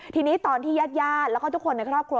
ทีนี้ตอนที่ญาติญาติแล้วก็ทุกคนในครอบครัว